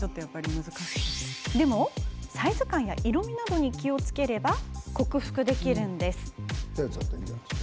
でも、サイズ感や色みなどに気をつければ克服できるんです。